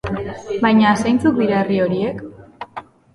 Baina zeintzuk dira herri horiek?